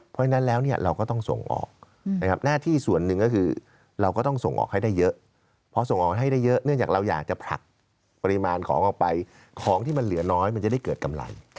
เพราะฉะนั้นแล้วเนี่ยเราก็ต้องส่งออกนะครับหน้าที่ส่วนหนึ่งก็คือเราก็ต้องส่งออกให้ได้เยอะพอส่งออกให้ได้เยอะเนื่องจากเราอยากจะผลักปริมาณของออกไปของที่มันเหลือน้อยมันจะได้เกิดกำไร